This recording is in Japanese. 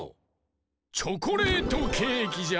チョコレートケーキじゃ。